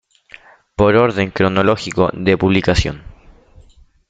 Por orden cronológico de publicación